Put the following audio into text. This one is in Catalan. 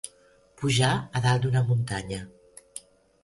Pujar a dalt d'una muntanya.